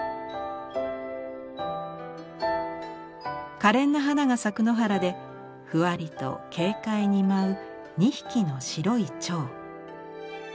かれんな花が咲く野原でふわりと軽快に舞う２匹の白い蝶。